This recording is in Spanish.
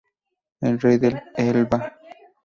El rey de Elba.